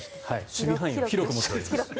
守備範囲を広く持っております。